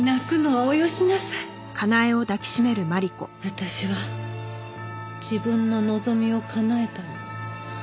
私は自分の望みを叶えたの。